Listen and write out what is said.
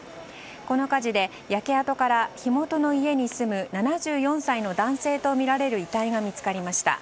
この火事で焼け跡から火元の家に住む７４歳の男性とみられる遺体が見つかりました。